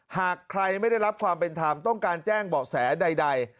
หากใครไม่ได้รับความเป็นธรรมต้องการแจ้งเบาะแสใด